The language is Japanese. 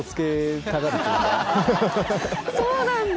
そうなんだ！